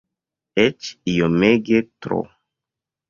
Eĉ iomege tro.